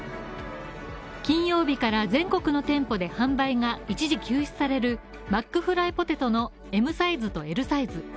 金曜日から全国の店舗で販売が一時休止されるマックフライポテトのＭサイズとＬサイズ。